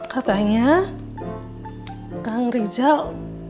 katanya kang rizal